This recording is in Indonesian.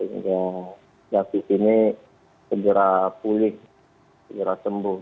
yang david ini segera pulih segera sembuh